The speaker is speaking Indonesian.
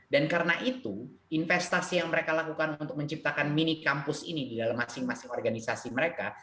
dan karena itu investasi yang mereka lakukan untuk menciptakan mini kampus ini di dalam masing masing organisasi mereka